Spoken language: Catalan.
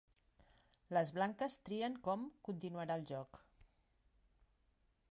Les blanques trien com continuarà el joc.